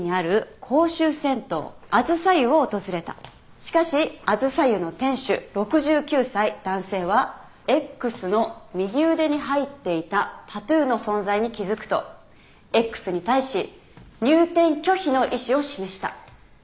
しかしあずさ湯の店主６９歳男性はＸの右腕に入っていたタトゥーの存在に気付くとＸに対し入店拒否の意思を示した。